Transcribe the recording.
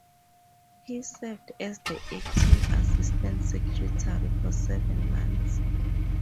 He served as the acting Assistant Secretary for seven months.